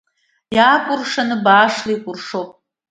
Иаакәыршаны баашла икәыршоуп.